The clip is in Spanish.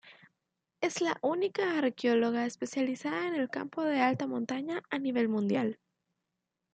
Es la única arqueóloga especializada en el campo de Alta Montaña a nivel mundial.